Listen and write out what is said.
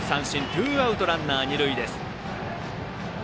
ツーアウト、ランナー、二塁です。